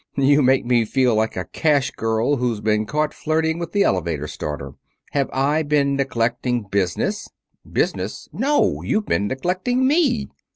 "You make me feel like a cash girl who's been caught flirting with the elevator starter. Have I been neglecting business?" "Business? No; you've been neglecting me!"